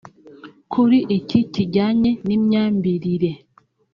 Kuri iki kijyanye n’imyambirire